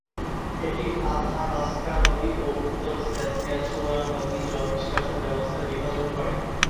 এটি আথাবাস্কা নদী ও উত্তর সাসক্যাচুয়ান নদীর জল নিষ্কাশন ব্যবস্থার বিভাজন করে।